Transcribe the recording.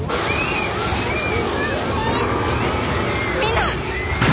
みんな！